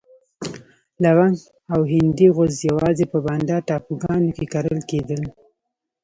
لونګ او هندي غوز یوازې په بانډا ټاپوګانو کې کرل کېدل.